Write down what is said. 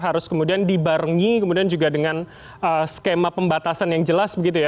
harus kemudian dibarengi kemudian juga dengan skema pembatasan yang jelas begitu ya